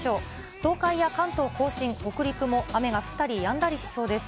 東海や関東甲信、北陸も雨が降ったりやんだりしそうです。